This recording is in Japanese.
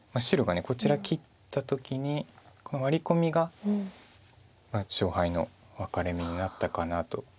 白がこちら切った時にこのワリ込みが勝敗の分かれ目になったかなと。